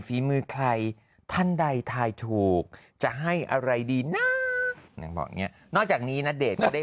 ฟีมือใครท่านใดทายถูกจะให้อะไรดีนะนอกจากนี้ณเดชก็ได้